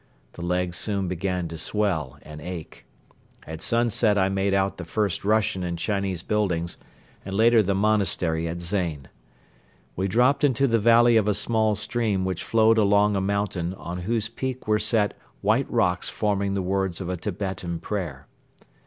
The leg soon began to swell and ache. At sunset I made out the first Russian and Chinese buildings and later the monastery at Zain. We dropped into the valley of a small stream which flowed along a mountain on whose peak were set white rocks forming the words of a Tibetan prayer.